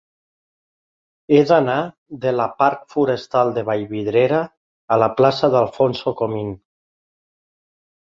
He d'anar de la parc Forestal de Vallvidrera a la plaça d'Alfonso Comín.